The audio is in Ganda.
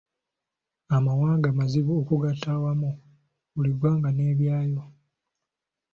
Amawanga mazibu okugatta awamu, buli ggwanga n’ebyalyo.